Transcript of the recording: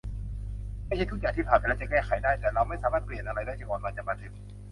ไม่ใช่ทุกอย่างที่ผ่านไปแล้วจะแก้ไขได้ แต่เราไม่สามารถเปลี่ยนอะไรได้จนกว่ามันจะมาถึง